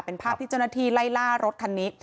เป็นภาพที่เจ้าหน้าที่ไล่ล่ารถคันนี้